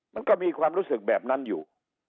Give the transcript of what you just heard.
มันก็มีความรู้สึกแบบนั้นอยู่